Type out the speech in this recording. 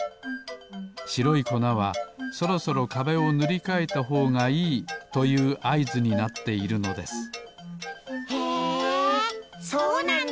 しろいこなはそろそろかべをぬりかえたほうがいいというあいずになっているのですへえそうなんだ！